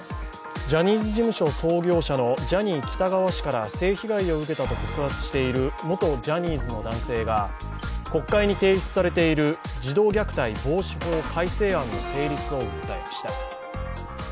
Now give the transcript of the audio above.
ジャニーズ事務所創業者のジャニー喜多川氏から性被害を受けたと告発している元ジャニーズの男性が、国会に提出されている児童虐待防止法改正案の成立を訴えました。